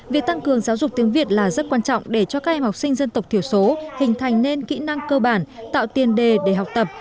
việc tăng cường giáo dục tiếng việt là rất quan trọng để cho các em học sinh dân tộc thiểu số hình thành nên kỹ năng cơ bản tạo tiền đề để học tập